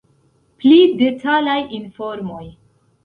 Pli detalaj informoj.